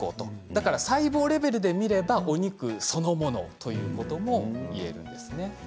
だから細胞レベルで見ればお肉そのものということも言えます。